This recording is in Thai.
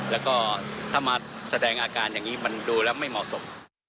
แล้วก็ถ้ามาแสดงอาการอย่างนี้มันดูแล้วไม่เหมาะสม